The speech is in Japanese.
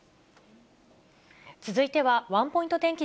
続いては、ワンポイント天気